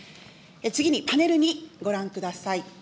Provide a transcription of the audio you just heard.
次にパネル２、ご覧ください。